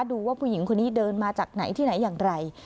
ดูว่าผู้หญิงคนนี้เดินมาจากไหนที่ไหนอย่างไร